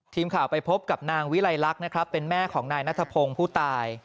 ทีมข่าวไปพบกับนางวิลัยรักเป็นแม่ของนายนัธพงศ์ผู้ตาย